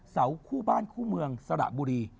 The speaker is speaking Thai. เสาคู่บ้านคู่เมืองสระบุรี